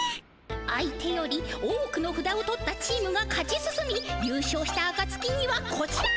相手より多くのふだを取ったチームが勝ち進みゆう勝したあかつきにはこちら！